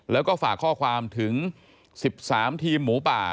แล้วก็ฝากข้อความถึง๑๓ทีมหมูป่า